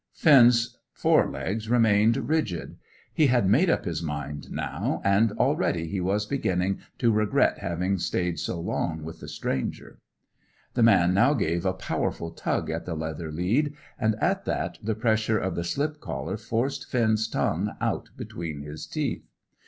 Finn's fore legs remained rigid. He had made up his mind now, and already he was beginning to regret having stayed so long with this stranger. The man now gave a powerful tug at the leather lead, and at that the pressure of the slip collar forced Finn's tongue out between his teeth.